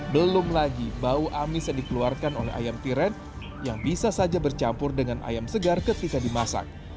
belum lagi bau amis yang dikeluarkan oleh ayam tiren yang bisa saja bercampur dengan ayam segar ketika dimasak